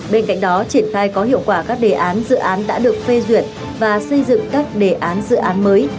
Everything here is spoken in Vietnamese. bên cạnh đó triển khai có hiệu quả các đề án dự án đã được phê duyệt và xây dựng các đề án dự án mới